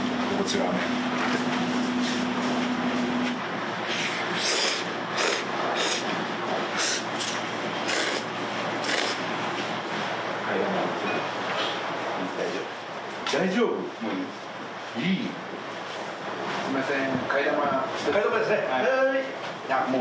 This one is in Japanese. はいすいません。